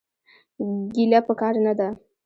ګيله پکار نه ده.